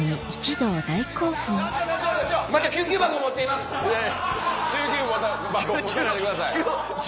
救急箱持たないでください。